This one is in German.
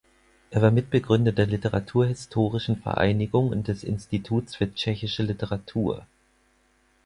Er war Mitbegründer der Literaturhistorischen Vereinigung und des Instituts für tschechische Literatur.